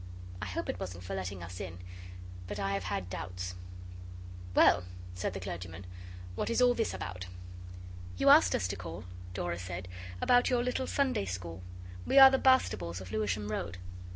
I hope it wasn't for letting us in, but I have had doubts. 'Well,' said the clergyman, 'what is all this about?' 'You asked us to call,' Dora said, 'about your little Sunday school. We are the Bastables of Lewisham Road.